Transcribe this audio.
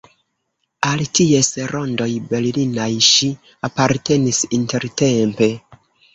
Al ties rondoj berlinaj ŝi apartenis intertempe.